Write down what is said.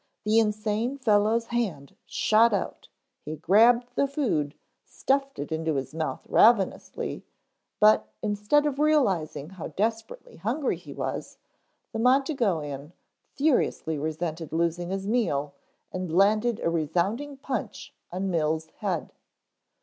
The insane fellow's hand shot out, he grabbed the food, stuffed it into his mouth ravenously, but instead of realizing how desperately hungry he was, the Montegoean furiously resented losing his meal and landed a resounding punch on Mills' head.